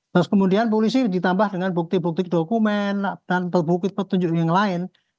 terus kemudian polisi ditambah dengan bukti bukti dokumen dan terbukti petunjuk yang lain